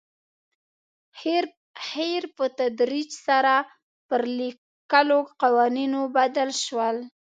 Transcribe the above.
هیر په تدریج سره پر لیکلو قوانینو بدل شول.